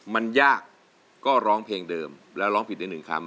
มันยากก็ร้องเพลงเดิมแล้วร้องผิดได้หนึ่งคำ